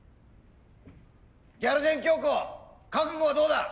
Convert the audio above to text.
ギャル電きょうこ覚悟はどうだ？